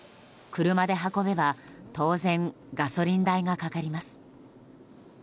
車で運べば当然ガソリン代がかかります。